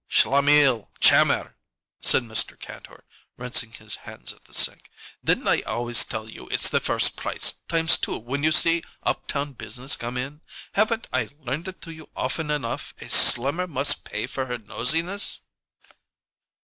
"Schlemmil! Chammer!" said Mr. Kantor, rinsing his hands at the sink. "Didn't I always tell you it's the first price, times two, when you see up town business come in? Haven't I learned it to you often enough a slummer must pay for her nosiness?"